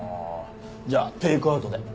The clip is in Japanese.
じゃあテイクアウトで。